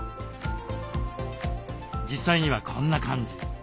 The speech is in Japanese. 実際にはこんな感じ。